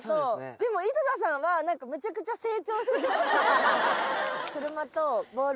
でも井戸田さんはめちゃくちゃ成長してた。